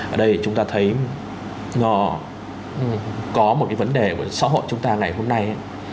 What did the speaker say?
ở đây chúng ta thấy nó có một cái vấn đề của xã hội chúng ta ngày hôm nay